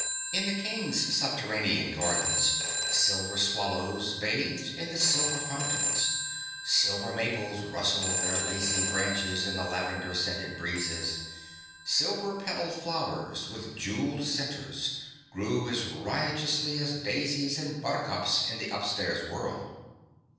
In the King's subterranean gardens, silver swallows bathed in the silver fountains, silver maples rustled their lacy branches in the lavender scented breezes, silver petalled flowers with jeweled centers grew as riotously as daisies and buttercups in the upstairs world.